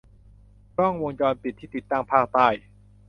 กล้องวงจรปิดที่ติดตั้งภาคใต้